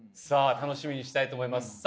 楽しみにしたいと思いますさあ